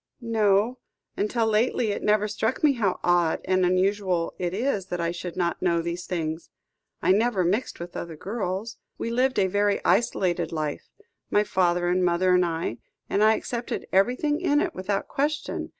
"No; until lately it never struck me how odd and unusual it is that I should not know these things. I never mixed with other girls. We lived a very isolated life, my father and mother and I, and I accepted everything in it without question.